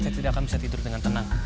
saya tidak akan bisa tidur dengan tenang